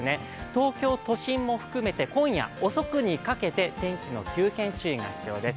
東京都心も含めて今夜遅くにかけて天気の急変、注意が必要です。